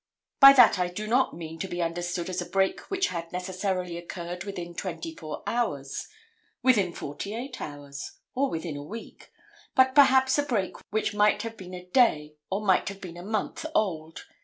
By that I do not mean to be understood as a break which had necessarily occurred within twenty four hours, within forty eight hours, or within a week, but perhaps a break which might have been a day or might have been a month old.